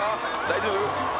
大丈夫？